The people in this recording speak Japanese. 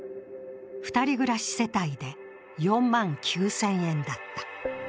２人暮らし世帯で４万９０００円だった。